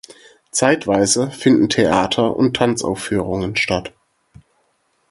Zeitweise finden Theater- und Tanzaufführungen statt.